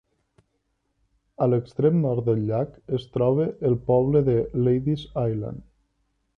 A l'extrem nord del llac es troba el poble de Lady's Island.